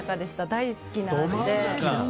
大好きな味で。